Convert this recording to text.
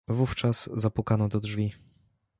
"Wówczas zapukano do drzwi."